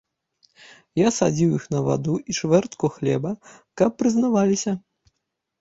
Я садзіў іх на ваду і чвэртку хлеба, каб прызнаваліся.